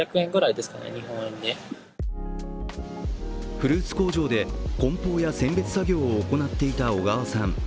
フルーツ工場でこん包や選別作業を行っていた小川さん。